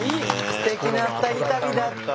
すてきな二人旅だった。